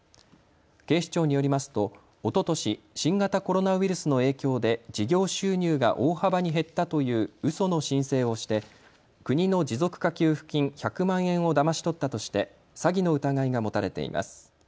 警視庁によりますとおととし新型コロナウイルスの影響で事業収入が大幅に減ったといううその申請をして国の持続化給付金１００万円をだまし取ったとして詐欺の疑いが持たれています。